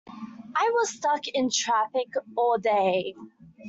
I was stuck in traffic all day!